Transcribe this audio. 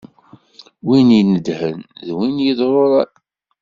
Win inedhen d win yeḍṛuṛan.